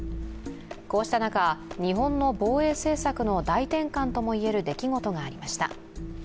こうした中、日本の防衛政策の大転換ともいえる出来事がありました。